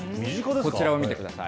こちらを見てください。